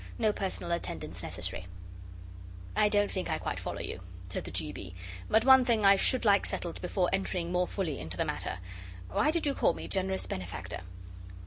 No personal attendance necessary.' 'I don't think I quite follow you,' said the G. B. 'But one thing I should like settled before entering more fully into the matter: why did you call me Generous Benefactor?